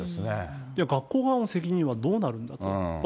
学校側の責任はどうなるんだと。